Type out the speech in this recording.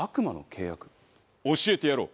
教えてやろう。